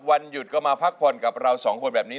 วันหยุดก็มาพักผ่อนกับเราสองคนแบบนี้